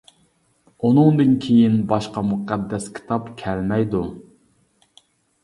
ئۇنىڭدىن كېيىن باشقا مۇقەددەس كىتاب كەلمەيدۇ.